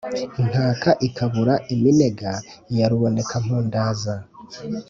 inkaka ikabura iminega ya rubonezampundaza.